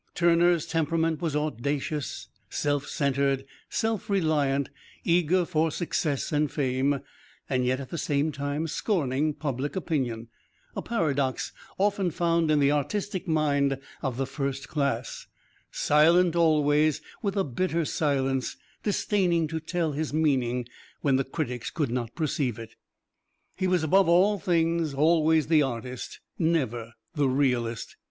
Turner's temperament was audacious, self centered, self reliant, eager for success and fame, yet at the same time scorning public opinion a paradox often found in the artistic mind of the first class; silent always with a bitter silence, disdaining to tell his meaning when the critics could not perceive it. He was above all things always the artist, never the realist.